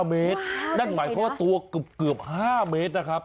เมตรนั่นหมายความว่าตัวเกือบ๕เมตรนะครับ